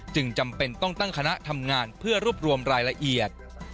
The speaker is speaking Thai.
จำเป็นต้องตั้งคณะทำงานเพื่อรวบรวมรายละเอียด